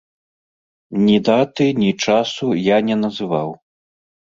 Ні даты, ні часу я не называў.